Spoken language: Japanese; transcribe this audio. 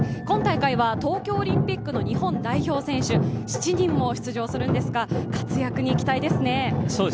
今大会は東京オリンピックの日本代表選手７人も出場するんですが、活躍に期待ですね？